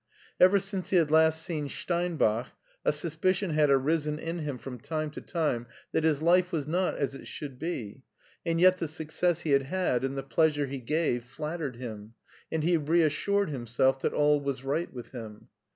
Ever since he had last seen Steinbach a sus picion had arisen in him from time to time that his life was not as it should be, and yet the success he had had and the pleasure he gave flattered him, and he reassured himself that all was right with him.